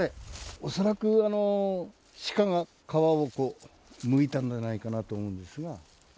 恐らくシカが皮をむいたんではないかなと思うんですが。